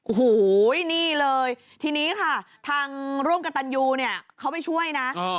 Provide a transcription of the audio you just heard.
โอ้โหนี่เลยทีนี้ค่ะทางร่วมกับตันยูเนี่ยเขาไปช่วยนะ